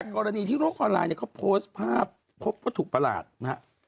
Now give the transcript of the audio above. กรณีที่โลกออนไลน์เนี่ยเขาโพสต์ภาพพบวัตถุประหลาดนะฮะ